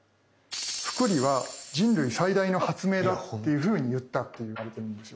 「複利は人類最大の発明だ」っていうふうに言ったって言われてるんですよね。